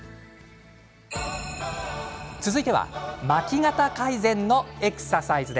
続いては巻き肩改善のエクササイズ。